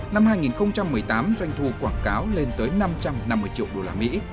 năm hai nghìn một mươi tám doanh thu quảng cáo lên tới năm trăm năm mươi triệu đô la mỹ